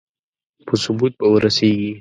په ثبوت به ورسېږي.